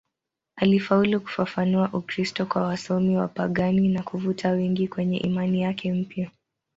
Alifaulu kufafanua Ukristo kwa wasomi wapagani na kuvuta wengi kwenye imani yake mpya.